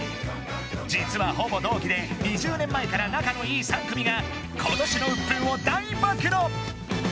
実はほぼ同期で２０年前から仲のいい３組が今年の鬱憤を大暴露！